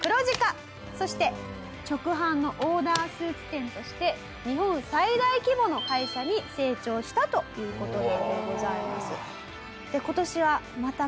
そして直販のオーダースーツ店として日本最大規模の会社に成長したという事なんでございます。